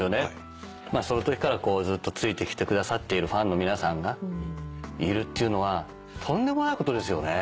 まあそのときからずっとついてきてくださっているファンの皆さんがいるっていうのはとんでもないことですよね。